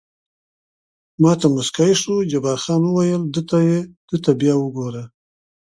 ما ته موسکی شو، جبار خان وویل: ده ته بیا وګوره.